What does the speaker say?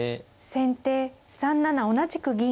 先手３七同じく銀。